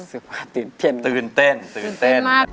รู้สึกว่าตื่นเต้นตื่นเต้นตื่นเต้นมาก